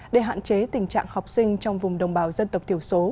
để hạn chế tình trạng học sinh trong vùng đồng bào dân tộc thiểu số